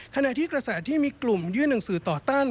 ขณะที่กระแสที่มีกลุ่มยื่นหนังสือต่อต้าน